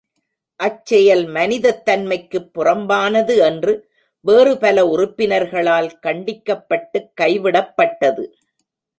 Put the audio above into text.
அச் செயல் மனிதத் தன்மைக்குப் புறம்பானது என்று வேறு பல உறுப்பினர்களால் கண்டிக்கப்பட்டுக் கைவிடப்பட்டது.